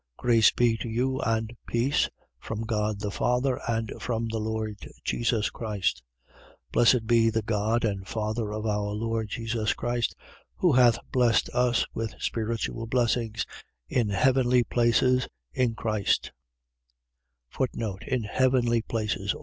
1:2. Grace be to you and peace, from God the Father and from the Lord Jesus Christ. 1:3. Blessed be the God and Father of our Lord Jesus Christ, who hath blessed us with spiritual blessings in heavenly places, in Christ: In heavenly places.